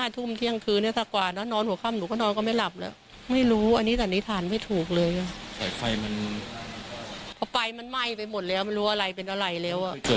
ศูนย์เสียลูกศูนย์เสียหลานนะคะ